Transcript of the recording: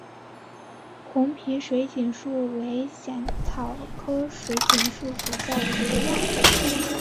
红皮水锦树为茜草科水锦树属下的一个亚种。